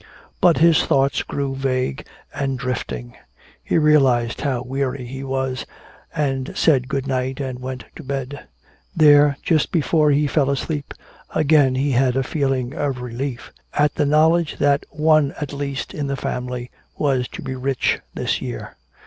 But his thoughts grew vague and drifting. He realized how weary he was, and said good night and went to bed. There, just before he fell asleep, again he had a feeling of relief at the knowledge that one at least in the family was to be rich this year.